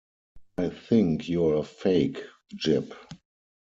I think you’re a fake, Jip.